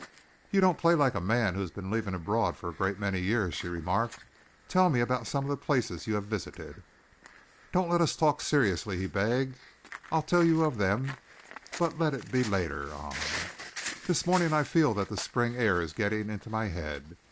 "You don't play like a man who has been living abroad for a great many years," she remarked. "Tell me about some of the places you have visited?" "Don't let us talk seriously," he begged. "I'll tell you of them but let it be later on. This morning I feel that the spring air is getting into my head.